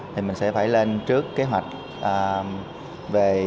thì mình sẽ phải lên trước kế hoạch về